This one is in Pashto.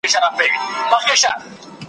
چي غوايي ته دي هم کله چل په زړه سي `